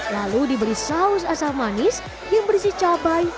lalu diberi saus asam manis yang berisi cabai